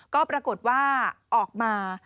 ก็ปรากฏว่าออกมา